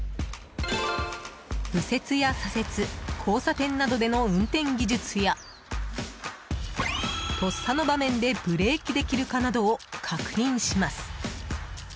右折や左折、交差点などでの運転技術やとっさの場面でブレーキできるかなどを確認します。